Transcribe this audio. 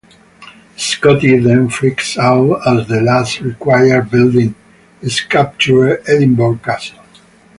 Scotty then freaks out as the last required building is captured: Edinburgh Castle.